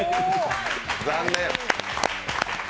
残念。